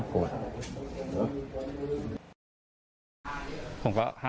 ผมก็๕๐และ๑๐สองอย่างปนกัน